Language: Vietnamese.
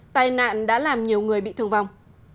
tài nạn đã làm nhiều người bị thương vong